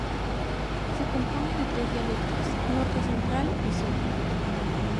Se compone de tres dialectos: norte, central y sur.